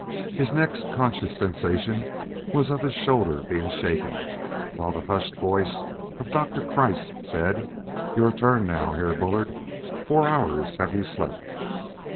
His next conscious sensation was of his shoulder being shaken, while the hushed voice of Doctor Kreiss said: "Your turn now, Herr Bullard; four hours have you slept."